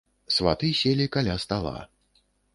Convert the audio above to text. Сваты селі каля стала.